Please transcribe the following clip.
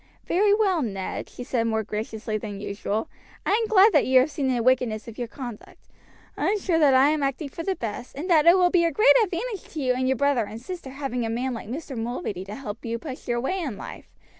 "Very well, Ned," she said more graciously than usual, "I am glad that you have seen the wickedness of your conduct. I am sure that I am acting for the best, and that it will be a great advantage to you and your brother and sister having a man like Mr. Mulready to help you push your way in life.